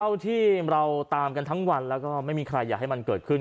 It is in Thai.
เท่าที่เราตามกันทั้งวันแล้วก็ไม่มีใครอยากให้มันเกิดขึ้น